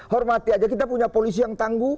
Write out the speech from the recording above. hormati aja kita punya polisi yang tangguh